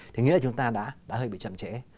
thì nghĩa là chúng ta đã hơi bị chậm trễ